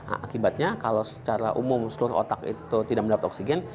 akibatnya kalau secara umum seluruh otak itu tidak mendapat oksigen